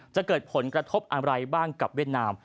จะเกิดผลกระทบอะไรบ้างกับเวียดนาม